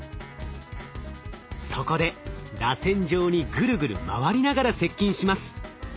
そこでらせん状にぐるぐる回りながら接近します。